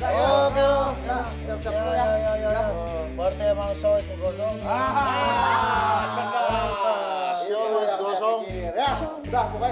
ayo toh tempatnya